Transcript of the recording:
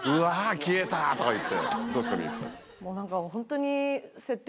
消えたとか言って。